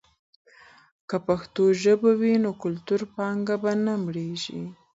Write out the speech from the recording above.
که پښتو ژبه وي، نو کلتوري پانګه به نه مړېږي.